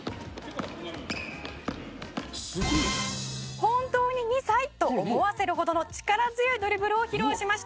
「本当に２歳？と思わせるほどの力強いドリブルを披露しました」